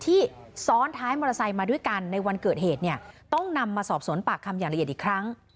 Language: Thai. ที่ซ้อนท้ายมอเตอร์ไซค์มาด้วยกันในวันเกิดเหตุเนี่ยต้องนำมาสอบสวนปากคำอย่างละเอียดอีกครั้ง